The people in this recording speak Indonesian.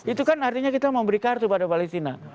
itu kan artinya kita mau beri kartu pada palestina